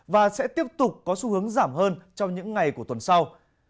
và sẽ tiếp tục có xu hướng giảm hơn trong những ngày của tuần sau